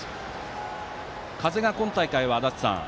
風が今大会は足達さん